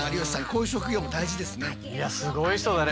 こういう職業も大事ですね。